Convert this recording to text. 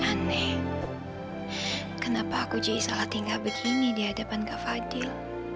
aneh kenapa aku jadi salah tinggal begini di hadapan kak fadil